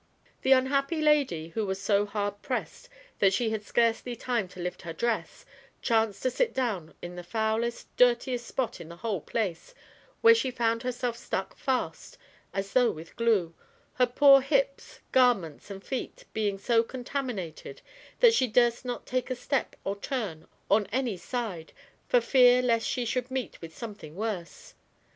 The unhappy lady, who was so hard pressed that she had scarcely time to lift her dress, chanced to sit down in the foulest, dirtiest spot in the whole place, where she found herself stuck fast as though with glue, her poor hips, garments, and feet being so contaminated that she durst not take a step or turn on any side, for fear lest she should meet with something worse.